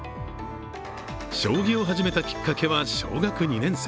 将棋を始めたきっかけは小学２年生。